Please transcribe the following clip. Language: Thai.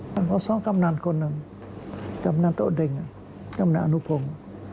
พอซ้อมกำหนังคนหนึ่งกำหนังเต้าเด็งกำหนังอนุพงศ์